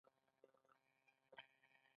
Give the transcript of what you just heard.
پنځمه د امریکا د کیمیاوي انجینری انسټیټیوټ و.